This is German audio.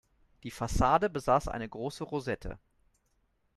Die Fassade besaß eine große Rosette.